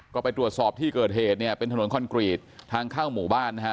ก็ไปตรวจสอบที่เกิดเหตุเนี่ยเป็นถนนคอนกรีตทางเข้าหมู่บ้านนะฮะ